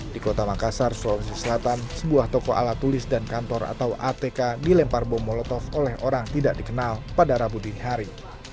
di kota makassar sulawesi selatan sebuah toko ala tulis dan kantor atau atk dilempar bom molotov oleh orang tidak dikenal pada rabu dini hari